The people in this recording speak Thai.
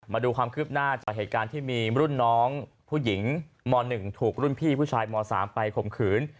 มาดูความคืบหน้าจากเหตุการณ์ที่มีรุ่นน้องผู้หญิงม๑ถูกรุ่นพี่ผู้ชายม๓ไปข่มขืน